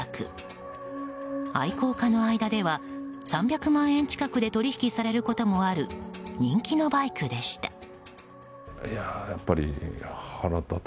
愛好家の間では３００万円近くで取引されることもある人気のバイクでした。